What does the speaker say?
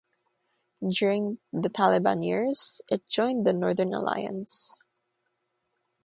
During the Taliban years, it joined the 'Northern Alliance'.